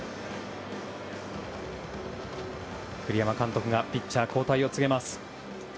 栗山監督がピッチャー交代を告げます。